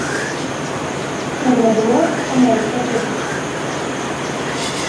Se graduó en el St.